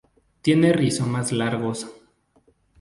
Tiene rizomas largos.